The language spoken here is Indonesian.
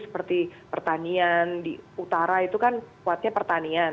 seperti pertanian di utara itu kan kuatnya pertanian